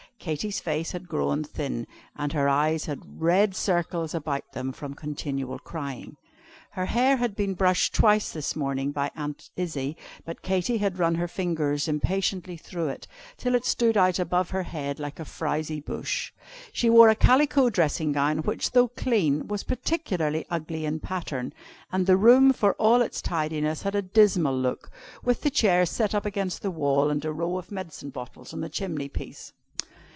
Katy's face had grown thin, and her eyes had red circles about them from continual crying. Her hair had been brushed twice that morning by Aunt Izzie, but Katy had run her fingers impatiently through it, till it stood out above her head like a frowsy bush. She wore a calico dressing gown, which, though clean, was particularly ugly in pattern; and the room, for all its tidiness, had a dismal look, with the chairs set up against the wall, and a row of medicine bottles on the chimney piece.